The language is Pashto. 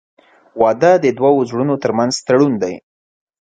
• واده د دوه زړونو تر منځ تړون دی.